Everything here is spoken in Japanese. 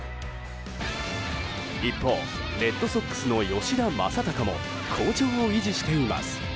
一方レッドソックスの吉田正尚も好調を維持しています。